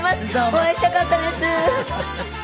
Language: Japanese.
お会いしたかったです！